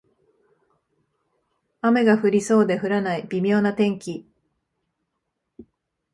雨が降りそうで降らない微妙な天気